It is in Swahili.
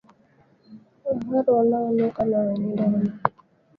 Mharo unaonuka na wenye damu